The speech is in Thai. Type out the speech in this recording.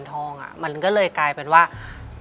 ที่ผ่านมาที่มันถูกบอกว่าเป็นกีฬาพื้นบ้านเนี่ย